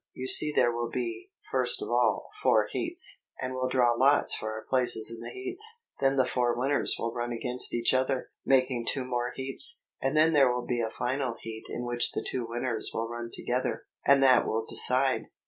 You see there will be, first of all, four heats, and we'll draw lots for our places in the heats; then the four winners will run against each other, making two more heats; and then there will be a final heat in which the two winners will run together, and that will decide."